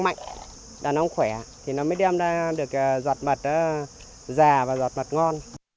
mạnh đàn ong khỏe thì nó mới đem ra được giọt mật già và giọt mật ngon